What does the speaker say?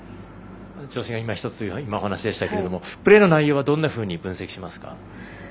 調子が今ひとつというお話でしたがプレーの内容はどんなふうに分析しますか？